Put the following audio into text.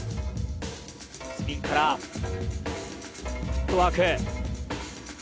スピンから、フットワーク。